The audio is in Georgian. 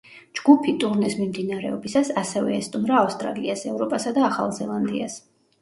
ჯგუფი, ტურნეს მიმდინარეობისას ასევე ესტუმრა ავსტრალიას, ევროპასა და ახალ ზელანდიას.